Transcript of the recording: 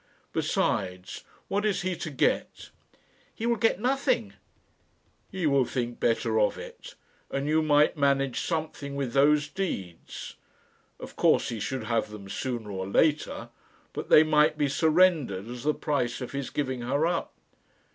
Besides, what is he to get?" "He will get nothing." "He will think better of it. And you might manage something with those deeds. Of course he should have them sooner or later, but they might be surrendered as the price of his giving her up.